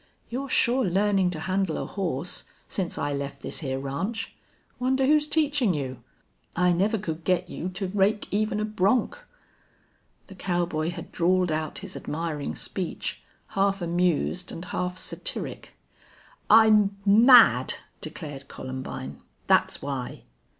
"You're sure learning to handle a horse since I left this here ranch. Wonder who's teaching you! I never could get you to rake even a bronc!" The cowboy had drawled out his admiring speech, half amused and half satiric. "I'm mad!" declared Columbine. "That's why."